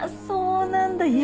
そうなんだ？